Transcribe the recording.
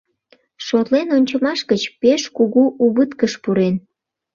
Шотлен ончымаш гыч пеш кугу убыткыш пурен...